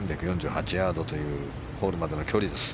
３４８ヤードというホールまでの距離です。